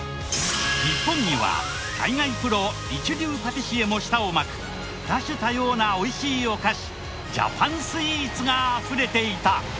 日本には海外プロ一流パティシエも舌を巻く多種多様なおいしいお菓子ジャパンスイーツがあふれていた。